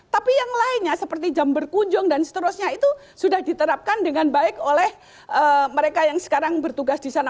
tapi yang lainnya seperti jam berkunjung dan seterusnya itu sudah diterapkan dengan baik oleh mereka yang sekarang bertugas di sana